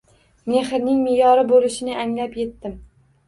Mehrning me`yori bo`lishini anglab etdim